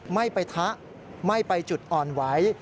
ไม่ไปทะไม่ไปจุดอ่อนไหว